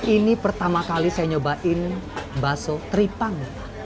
ini pertama kali saya nyobain bakso teripak